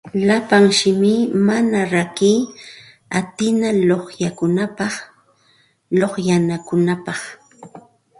Llapa simipa manaña rakiy atina luqyanakunapas luqyanayuqkunapas